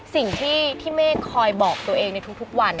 สิ่งที่เมฆคอยบอกตัวเองในทุกวัน